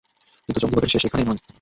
কিন্তু জঙ্গীবাদের শেষ এখানেই নয়।